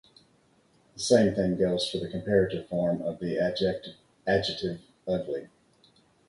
The same thing goes for the comparative form of the adjective 'ugly'.